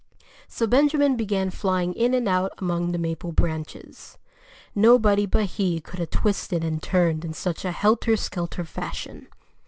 So Benjamin began flying in and out among the maple branches. Nobody but he could have twisted and turned in such a helter skelter fashion.